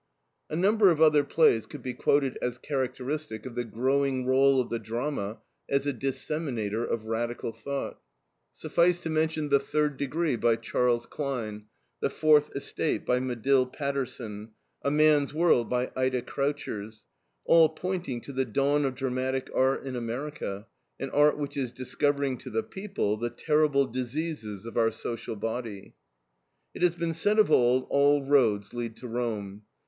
A number of other plays could be quoted as characteristic of the growing role of the drama as a disseminator of radical thought. Suffice to mention THE THIRD DEGREE, by Charles Klein; THE FOURTH ESTATE, by Medill Patterson; A MAN'S WORLD, by Ida Croutchers, all pointing to the dawn of dramatic art in America, an art which is discovering to the people the terrible diseases of our social body. It has been said of old, all roads lead to Rome.